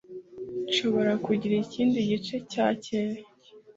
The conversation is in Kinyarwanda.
Nshobora kugira ikindi gice cya keke?